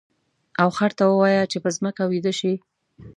او خر ته ووایه چې په ځمکه ویده شي.